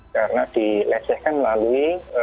karena dilecehkan melalui